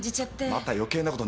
また余計なこと。